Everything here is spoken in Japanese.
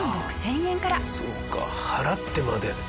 そうか払ってまで。